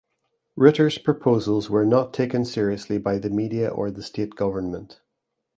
Ritter’s proposals were not taken seriously by the media or the state government.